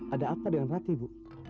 ada apa dengan rati bu